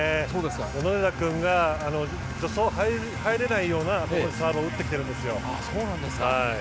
小野寺君が助走に入れないようなサーブを打ってきてるんですよ。